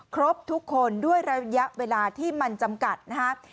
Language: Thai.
ครบทุกคนด้วยระยะเวลาที่มันจำกัดนะครับ